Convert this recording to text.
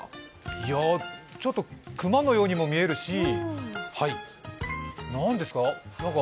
いや、ちょっと熊のようにも見えるし、何ですか？